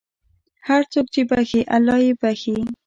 هر څوک چې بښي، الله یې بښي.